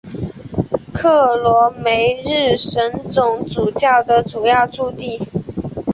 克罗梅日什总主教宫的主要驻地。